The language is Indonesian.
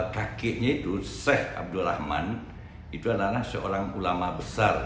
kakinya itu sheikh abdul rahman itu adalah seorang ulama besar